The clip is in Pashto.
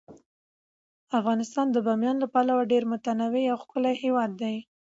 افغانستان د بامیان له پلوه یو ډیر متنوع او ښکلی هیواد دی.